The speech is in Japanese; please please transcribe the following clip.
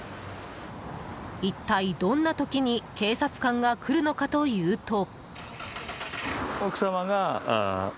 一体どんな時に警察官が来るのかというと。